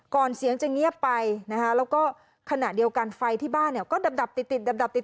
ก่อนเสียงจะเงียบไปแล้วก็ขณะเดียวกันไฟที่บ้านก็ดับติด